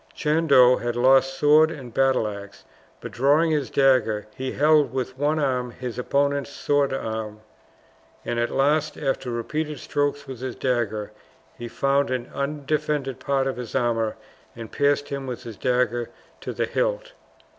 Chandos had lost sword and battle axe, but drawing his dagger, he held with one hand his opponent's sword arm, and at last, after repeated strokes with his dagger, he found an undefended part of his armour and pierced him with his dagger to the hilt.